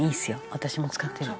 私も使ってるの」